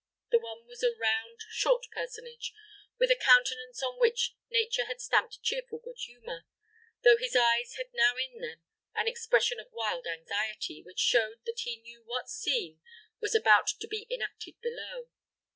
The one was a round, short personage, with a countenance on which nature had stamped cheerful good humor, though his eyes had now in them an expression of wild anxiety, which showed that he knew what scene was about to be enacted below.